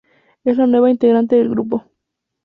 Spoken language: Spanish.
Es la nueva integrante del grupo.